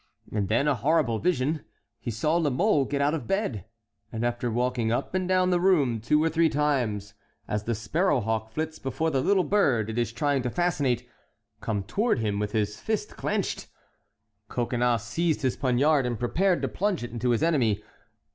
And then a horrible vision—he saw La Mole get out of bed, and after walking up and down the room two or three times, as the sparrow hawk flits before the little bird it is trying to fascinate, come toward him with his fist clinched. Coconnas seized his poniard and prepared to plunge it into his enemy.